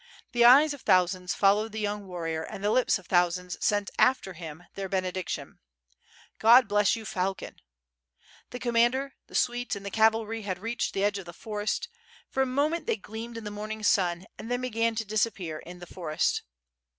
The eyes of thousands followed the young warrior and the lips of thousands sent after him their benediction: "God bless you. Falcon!^ The commander, the suite, and the cavalry had reached the edge of the forest; for a moment they gleamed in the morning sun and then began to disappear in the forest.